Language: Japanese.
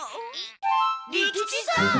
利吉さん！